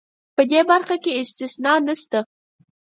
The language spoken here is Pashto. په دې برخه کې استثنا نشته.